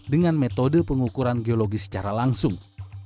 dengan metode pengukuran geologi secara langsung